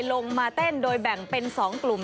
ลงมาเต้นโดยแบ่งเป็น๒กลุ่ม